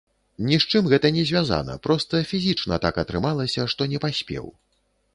Ні з чым гэта не звязана, проста фізічна так атрымалася, што не паспеў.